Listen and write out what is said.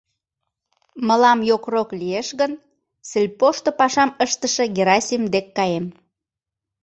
Мылам йокрок лиеш гын, сельпошто пашам ыштыше Герасим дек каем.